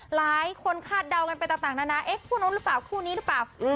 หลายคนคาดเดากันไปต่างนานาเอ๊ะคู่นู้นหรือเปล่าคู่นี้หรือเปล่า